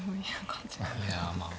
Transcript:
いやまあ